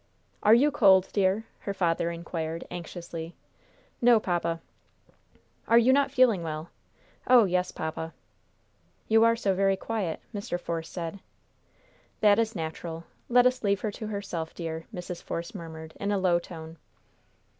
"Are you cold, dear?" her father inquired, anxiously. "No, papa." "Are you not feeling well?" "Oh, yes, papa." "You are so very quiet," Mr. Force said. "That is natural. Let us leave her to herself, dear," Mrs. Force murmured, in a low tone.